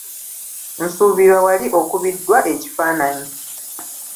Nsuubira wali okubiddwa ekifaananyi.